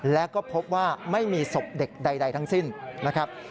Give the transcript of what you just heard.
และก็พบว่าไม่มีศพเด็กใดทั้งสิ้นนะครับ